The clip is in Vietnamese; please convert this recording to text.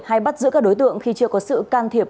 hay bắt giữ các đối tượng khi chưa có sự can thiệp